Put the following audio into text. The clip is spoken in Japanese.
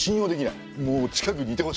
もう近くにいてほしくない。